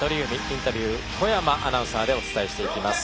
インタビュー小山アナウンサーでお伝えしていきます。